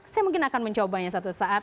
saya mungkin akan mencobanya satu saat